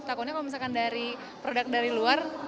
takutnya kalau misalkan dari produk dari luar